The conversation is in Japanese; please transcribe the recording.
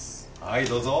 はいどうぞ。